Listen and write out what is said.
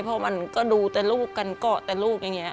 เพราะมันก็ดูแต่ลูกกันเกาะแต่ลูกอย่างนี้